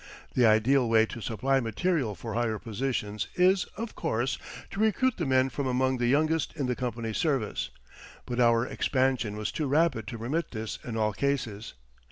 The ideal way to supply material for higher positions is, of course, to recruit the men from among the youngest in the company's service, but our expansion was too rapid to permit this in all cases.